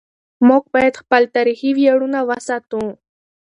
موږ باید خپل تاریخي ویاړونه وساتو.